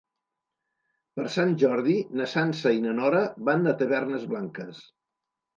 Per Sant Jordi na Sança i na Nora van a Tavernes Blanques.